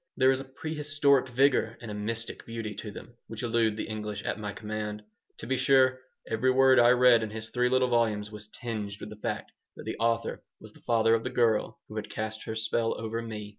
There is a prehistoric vigor and a mystic beauty to them which elude the English at my command. To be sure, every word I read in his three little volumes was tinged with the fact that the author was the father of the girl who had cast her spell over me.